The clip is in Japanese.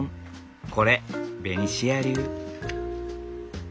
これベニシア流。